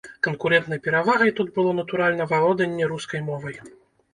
Канкурэнтнай перавагай тут было, натуральна, валоданне рускай мовай.